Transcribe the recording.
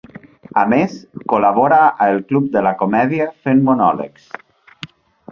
A més, col·labora a El club de la comèdia fent monòlegs.